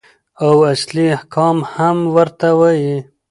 او اصلي احکام هم ورته وايي.